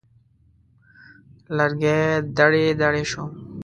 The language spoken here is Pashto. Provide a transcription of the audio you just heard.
لرګی دړې دړې شو.